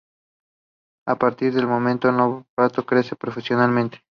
A partir de ese momento, no paró de crecer profesionalmente.